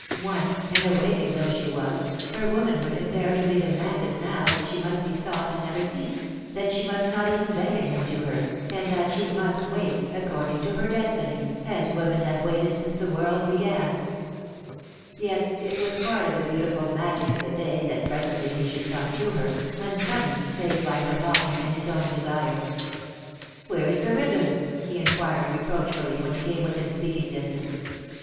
Won and awakened though she was, her womanhood imperatively demanded now that she must be sought and never seek, that she must not even beckon him to her, and that she must wait, according to her destiny, as women have waited since the world began. [Sidenote: Waiting] Yet it was part of the beautiful magic of the day that presently he should come to her, unsummoned save by her longing and his own desire. "Where is the ribbon?" he inquired, reproachfully, when he came within speaking distance.